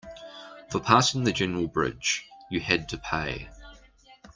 For passing the general bridge, you had to pay.